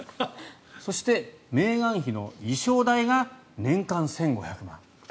そして、メーガン妃の衣装代が年間１５００万円。